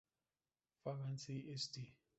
Fagan´s y St.